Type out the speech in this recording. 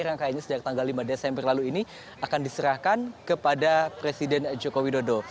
rangkaiannya sejak tanggal lima desember lalu ini akan diserahkan kepada presiden joko widodo